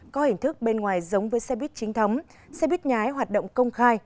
có hình thức bên ngoài giống với xe buýt chính thống xe buýt nhái hoạt động công khai